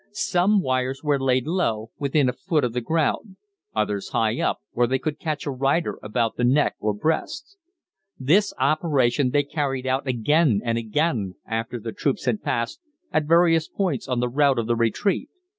Some wires were laid low, within a foot of the ground, others high up, where they could catch a rider about the neck or breast. This operation they carried out again and again, after the troops had passed, at various points on the route of the retreat.